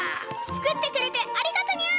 「つくってくれてありがとニャ！」。